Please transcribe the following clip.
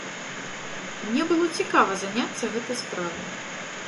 Мне было цікава заняцца гэтай справай.